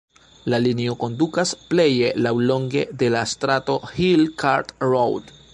La linio kondukas pleje laŭlonge de la strato Hill Cart Road.